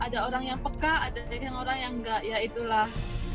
jadi ada orang yang peka ada orang yang nggak ya itulah